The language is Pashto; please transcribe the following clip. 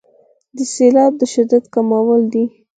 د سیلاب د شدت کمول دي.